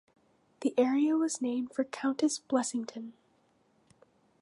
The area was named for Countess Blessington.